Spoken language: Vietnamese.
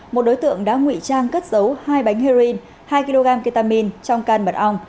một đối tượng đã ngụy trang cất dấu hai bánh heroin hai kg ketamine trong can mật ong